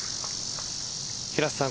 平瀬さん。